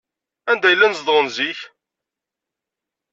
Anda ay llan zedɣen zik?